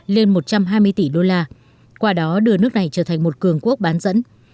lên một trăm hai mươi tỷ đô la qua đó đưa nước này trở thành một cường quốc bán dẫn